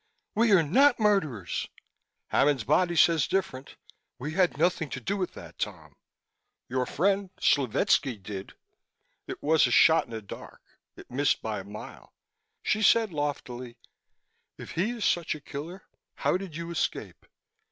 "We are not murderers!" "Hammond's body says different." "We had nothing to do with that, Tom!" "Your friend Slovetski did." It was a shot in the dark. It missed by a mile. She said loftily: "If he is such a killer, how did you escape?